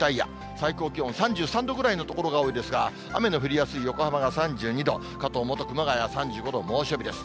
最高気温、３３度ぐらいの所が多いですが、雨の降りやすい横浜が３２度、かと思うと熊谷３５度、猛暑日です。